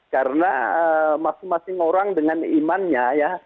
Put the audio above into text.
karena masing masing orang dengan imannya ya